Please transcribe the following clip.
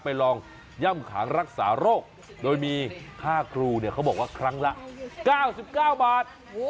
ไปลองย่ำขางรักษาโรคโดยมีค่าครูเนี่ยเขาบอกว่าครั้งละ๙๙บาท